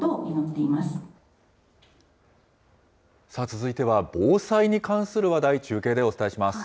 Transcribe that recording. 続いては防災に関する話題、中継でお伝えします。